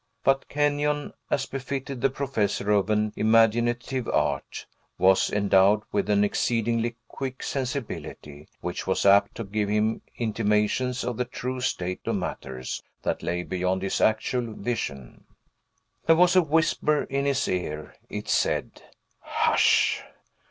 But Kenyon, as befitted the professor of an imaginative art, was endowed with an exceedingly quick sensibility, which was apt to give him intimations of the true state of matters that lay beyond his actual vision. There was a whisper in his ear; it said, "Hush!"